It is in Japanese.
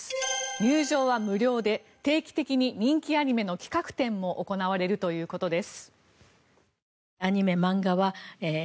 入場は無料で、定期的に人気アニメの企画展も行われるということです。